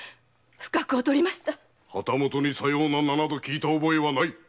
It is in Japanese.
旗本にさような名を聞いた覚えはない！